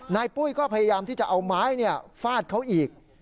ปุ้ยก็พยายามที่จะเอาไม้ฟาดเขาอีก